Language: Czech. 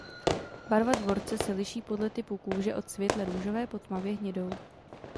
Barva dvorce se liší podle typu kůže od světle růžové po tmavě hnědou.